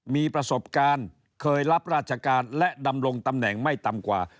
มีประสบการณ์เคยรับราชการและดำรงตำแหน่งไม่ต่ำกว่า